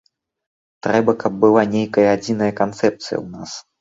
Трэба, каб была нейкая адзіная канцэпцыя ў нас.